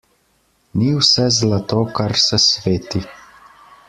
Ni vse zlato, kar se sveti.